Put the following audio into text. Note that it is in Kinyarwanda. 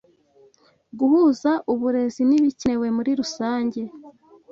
Guhuza uburezi n'ibikenewe muri rusange